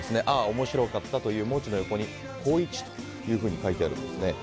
「ａｈ‐面白かった」の文字の横「光一」というふうに書いてあるんです。